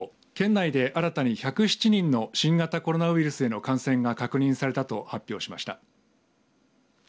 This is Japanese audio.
鳥取県はきょう県内で新たに１０７人の新型コロナウイルスへの感染が確認されたと発表しました。